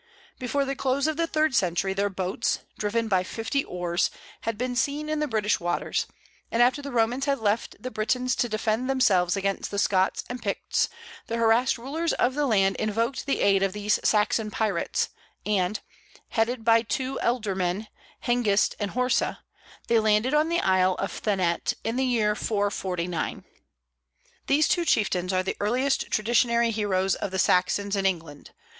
Before the close of the third century their boats, driven by fifty oars, had been seen in the British waters; and after the Romans had left the Britons to defend themselves against the Scots and Picts, the harassed rulers of the land invoked the aid of these Saxon pirates, and, headed by two ealdormen, Hengist and Horsa, they landed on the Isle of Thanet in the year 449. These two chieftains are the earliest traditionary heroes of the Saxons in England.